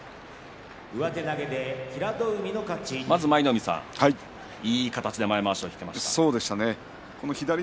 舞の海さん、いい形で前まわしを引けましたね。